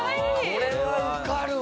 これは受かるわ。